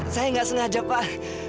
saya nggak sengaja pak